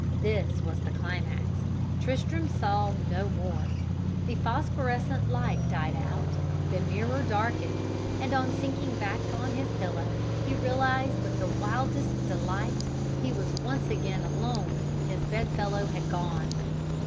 "This was the climax Tristram saw no more. The phosphorescent light died out, the mirror darkened, and on sinking back on his pillow, he realized with the wildest delight he was once again alone his bedfellow had gone!